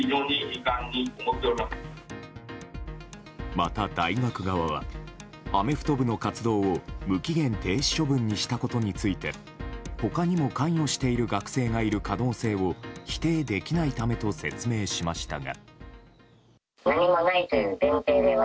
また、大学側はアメフト部の活動を無期限停止処分にしたことについて他にも関与している学生がいる可能性を否定できないためと説明しましたが。